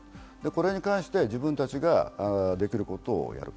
これに関して自分たちができることをやる。